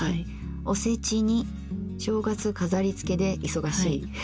「おせち煮正月かざりつけで忙しい」。